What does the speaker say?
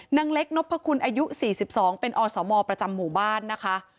นางเล็กนพคุณอายุ๔๒เป็นอสมประจำหมู่บ้านนะคะ